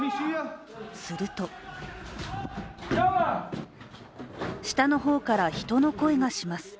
すると下の方から人の声がします。